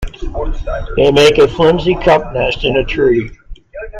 They make a flimsy cup nest in a tree.